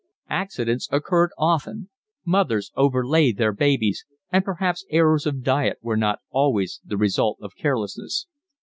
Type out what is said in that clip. Accidents occurred often; mothers 'overlay' their babies, and perhaps errors of diet were not always the result of carelessness.